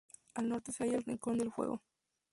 Al norte se halla el Rincón del Fuego.